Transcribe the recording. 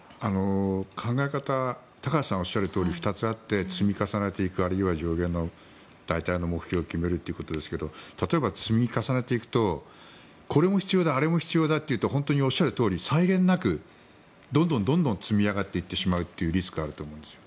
考え方高橋さんがおっしゃるとおり２つあって積み重ねていくあるいは上限の大体の目標を決めるということですが例えば、積み重ねていくとこれも必要だあれも必要だというと本当におっしゃるとおり際限なくどんどん積み上がっていってしまうリスクがあると思うんです。